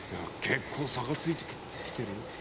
結構差がついてきてる？